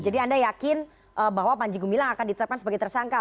jadi anda yakin bahwa panji gumilang akan ditetapkan sebagai tersangka